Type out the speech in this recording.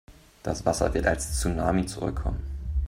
Das Wasser wird als Tsunami zurückkommen.